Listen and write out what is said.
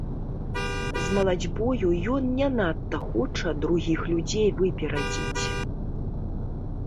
З малацьбою ён не надта хоча другіх людзей выперадзіць.